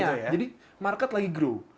iya jadi market lagi grow